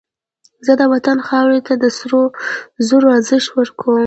زه د وطن خاورې ته د سرو زرو ارزښت ورکوم